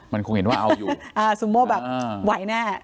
มันคงเห็นว่าเอาอยู่อ่าซูโม่แบบไหวแน่